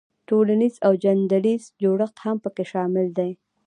تولنیز او چلندیز جوړښت هم پکې شامل دی.